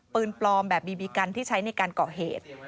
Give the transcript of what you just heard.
ปืนปลอมแบบบีบีกันที่ใช้ในการก่อเหตุ